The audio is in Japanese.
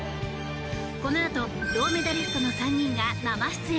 このあと銅メダリストの３人が生出演。